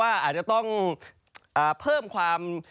อาจจะต้องเพิ่มความ